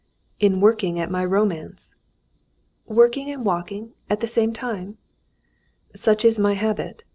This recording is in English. "In working at my romance." "Working and walking at the same time?" "Such is my habit.